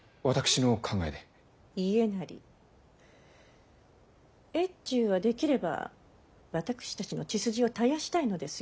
家斉越中はできれば私たちの血筋を絶やしたいのですよ。